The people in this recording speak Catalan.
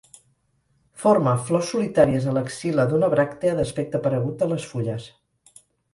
Forma flors solitàries a l'axil·la d'una bràctea d'aspecte paregut a les fulles.